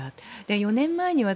４年前に私